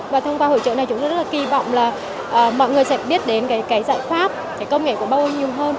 và thông qua hỗ trợ này chúng tôi rất là kỳ vọng là mọi người sẽ biết đến cái giải pháp công nghệ của bao nhiêu hơn